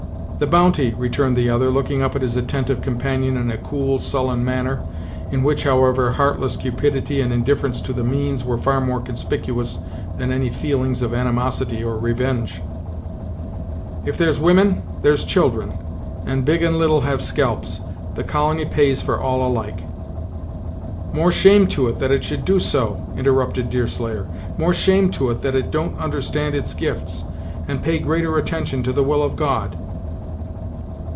"The bounty," returned the other, looking up at his attentive companion in a cool, sullen manner, in which, however, heartless cupidity and indifference to the means were far more conspicuous than any feelings of animosity or revenge. "If there's women, there's children; and big and little have scalps; the colony pays for all alike." "More shame to it, that it should do so," interrupted Deerslayer; "more shame to it, that it don't understand its gifts, and pay greater attention to the will of God."